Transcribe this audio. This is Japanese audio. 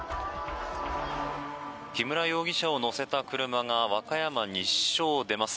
木村容疑者を乗せた車が和歌山西署を出ます。